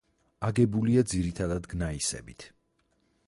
აგებულია ძირითადად გნაისებით.